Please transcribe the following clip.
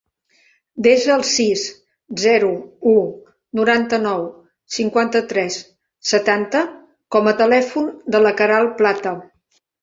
Desa el sis, zero, u, noranta-nou, cinquanta-tres, setanta com a telèfon de la Queralt Plata.